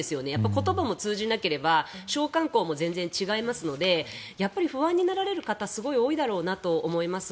言葉も通じなければ商慣行も全然違いまうのでやっぱり不安になられる方すごい多いだろうなと思います。